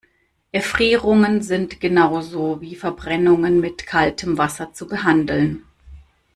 Erfrierungen sind genau so wie Verbrennungen mit kaltem Wasser zu behandeln.